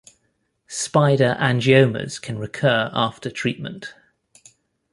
Spider angiomas can recur after treatment.